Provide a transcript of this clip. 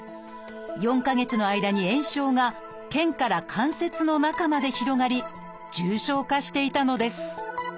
４か月の間に炎症が腱から関節の中まで広がり重症化していたのです。